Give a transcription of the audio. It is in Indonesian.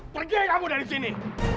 pergi kamu dari sini